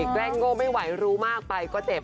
แกล้งโง่ไม่ไหวรู้มากไปก็เจ็บ